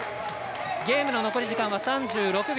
ゲームの残り時間は３６秒。